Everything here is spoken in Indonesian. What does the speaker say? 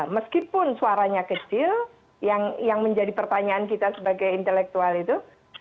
meskipun suaranya kecil yang menjadi pertanyaan kita sebagai intelektual itu